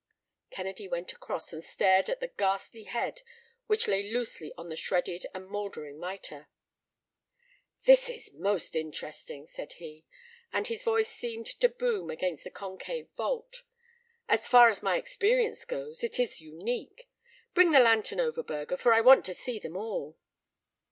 Kennedy went across, and stared at the ghastly head which lay loosely on the shredded and mouldering mitre. "This is most interesting," said he, and his voice seemed to boom against the concave vault. "As far as my experience goes, it is unique. Bring the lantern over, Burger, for I want to see them all."